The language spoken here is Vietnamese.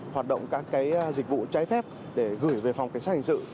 hoạt động các cái dịch vụ trái phép để gửi về phòng cảnh sát hành sự